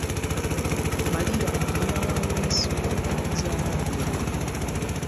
Maliya nyinna wa Yeesu yamuzaala mberera .